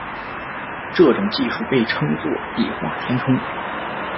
这种技术被称作笔画填充。